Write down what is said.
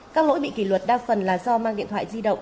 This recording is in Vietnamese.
các lỗi bị kỷ luật đa phần là do mang điện thoại di động